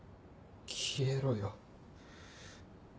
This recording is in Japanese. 消えろよ。